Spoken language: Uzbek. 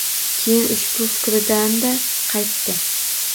Keyin, ushbu fikridan-da qaytdi.